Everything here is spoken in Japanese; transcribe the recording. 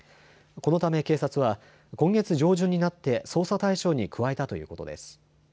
このため警察は今月上旬になって捜査対象に加えたということです。